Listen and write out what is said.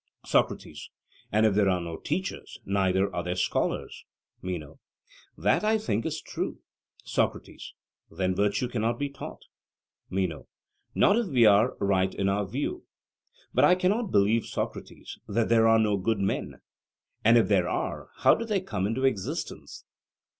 SOCRATES: And if there are no teachers, neither are there scholars? MENO: That, I think, is true. SOCRATES: Then virtue cannot be taught? MENO: Not if we are right in our view. But I cannot believe, Socrates, that there are no good men: And if there are, how did they come into existence?